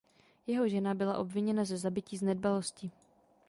Jeho žena byla obviněna ze zabití z nedbalosti.